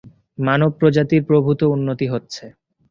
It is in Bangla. মানব প্রজাতির প্রভূত উন্নতি হচ্ছে।